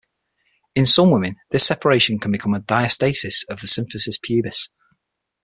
In some women this separation can become a diastasis of the symphysis pubis.